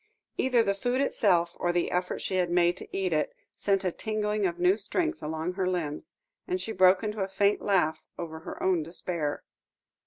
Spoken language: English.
Either the food itself, or the effort she had made to eat it, sent a tingling of new strength along her limbs, and she broke into a faint laugh over her own despair.